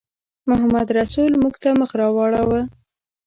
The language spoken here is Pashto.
محمدرسول موږ ته مخ راواړاوه.